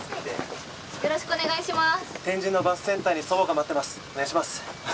よろしくお願いします。